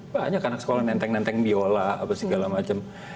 banyak anak sekolah yang nenteng nenteng biola segala macam